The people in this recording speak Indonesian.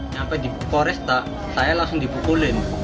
sampai dikoresta saya langsung dibukulin